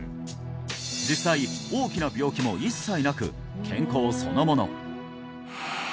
実際大きな病気も一切なく健康そのもの